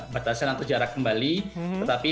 batasan atau jarak kembali tetapi